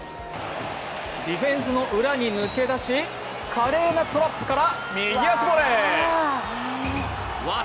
ディフェンスの裏に抜け出し華麗なトラップから右足ボレー。